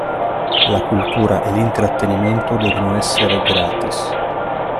La cultura e l'intrattenimento devono essere gratis.